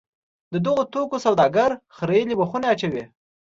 د دغو توکو سوداګر خریېلي مخونه اچوي.